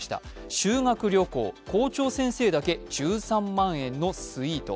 修学旅行、校長先生だけ１３万円のスイート。